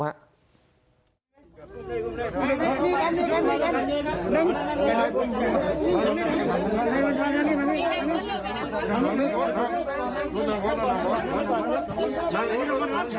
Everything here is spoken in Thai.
พบตั้งด้านหลัง